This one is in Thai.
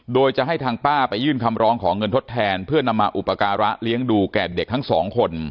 โดยจะให้ทางป้าไปยื่นคำร้องขอเงินทดแทนเพื่อนำมาอุปการะเลี้ยงดูแก่เด็กทั้งสองคน